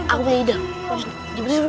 ah aku beli udah